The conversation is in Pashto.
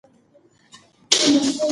موږ باید د خپلو غلطیو څخه زده کړه وکړو.